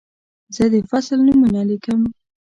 زه د فصل نومونه لیکم.